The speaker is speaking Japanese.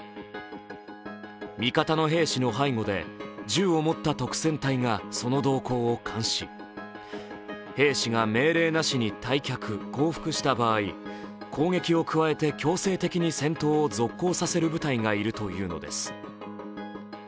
味方の兵士の背後で銃を持った督戦隊がその動向を監視、兵士が命令なしに退却・降伏した場合、攻撃を加えて強制的に戦闘を続行させる部隊がいるというのです。